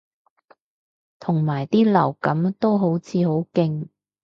同埋啲流感都好似好勁